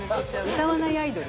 歌わないアイドル？